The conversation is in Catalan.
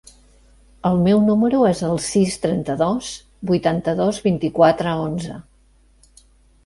El meu número es el sis, trenta-dos, vuitanta-dos, vint-i-quatre, onze.